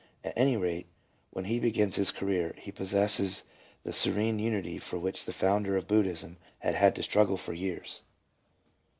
At any rate, when he begins his career, he possesses the serene unity for which the founder of Buddhism had had to struggle for years.